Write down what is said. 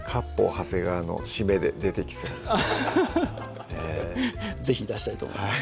長谷川の締めで出てきそうな是非出したいと思います